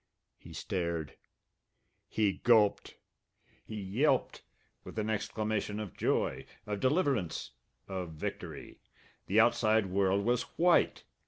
He stared. He gulped. He yelped with an exclamation of joy, of deliverance, of victory! The outside world was white!